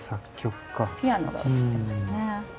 ピアノが写ってますね。